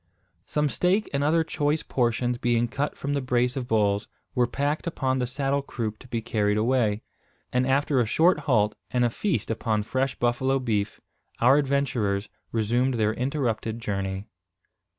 Some steak and other choice portions, being cut from the brace of bulls, were packed upon the saddle croup to be carried away; and after a short halt, and a feast upon fresh buffalo beef, our adventurers resumed their interrupted journey.